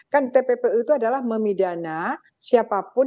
kan tppu itu adalah memidana siapapun